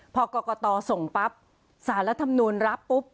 พอกรกตส่งปั๊บสารรัฐมนูลรับปุ๊บ